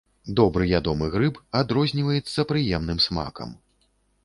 Добры ядомы грыб, адрозніваецца прыемным смакам.